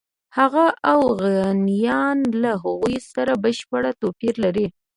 هغه اوغانیان له هغو سره بشپړ توپیر لري.